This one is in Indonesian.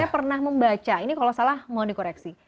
saya pernah membaca ini kalau salah mohon dikoreksi